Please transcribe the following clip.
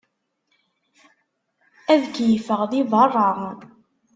Ad keyfeɣ di berra.